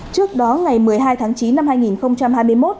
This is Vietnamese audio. trước đó ngày một mươi hai tháng chín năm hai nghìn hai mươi một